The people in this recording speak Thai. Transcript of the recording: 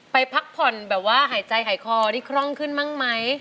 พักผ่อนแบบว่าหายใจหายคอได้คร่องขึ้นบ้างไหม